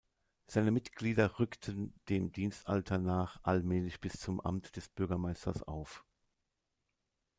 Seine Mitglieder rückten dem Dienstalter nach allmählich bis zum Amt des Bürgermeisters auf.